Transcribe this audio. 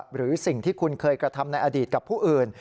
หรือสิ่งที่คุณเคยกระทำในอดีตกับผู้อื่น